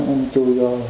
em chui vô